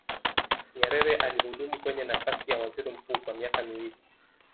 nyerere alihudumu kwenye nafasi ya waziri mkuu kwa miaka miwili